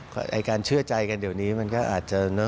ไอ้การเชื่อใจกันเดี๋ยวนี้มันก็อาจจะเนอะ